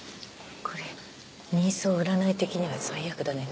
これ人相占い的には最悪だね。